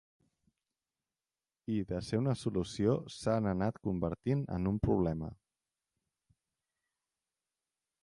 I de ser una solució s’han anat convertint en un problema.